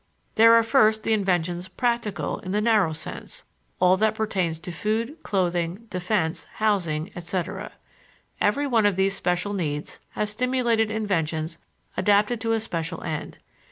There are first the inventions "practical" in the narrow sense all that pertains to food, clothing, defense, housing, etc. Every one of these special needs has stimulated inventions adapted to a special end.